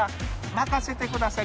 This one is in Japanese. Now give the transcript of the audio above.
任せてください。